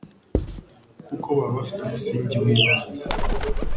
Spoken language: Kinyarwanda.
kuko baba bafite umusingi w'ibanze